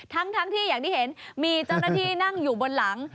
ทั้งที่อย่างที่เห็นมีเจ้าหน้าที่นั่งอยู่บนหลัง